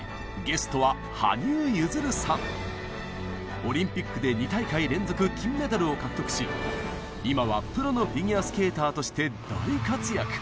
オリンピックで２大会連続金メダルを獲得し今はプロのフィギュアスケーターとして大活躍。